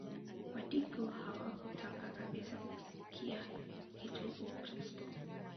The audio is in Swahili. Wadigo hawakutaka kabisa kusikia kitu Ukristo